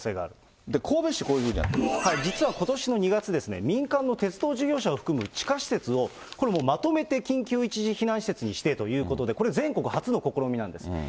神戸市、こういうふうになっ実はことしの２月、民間の鉄道事業者を含む地下施設を、これもう、まとめて緊急一時避難施設に指定ということで、これ、全国初の試みなんです。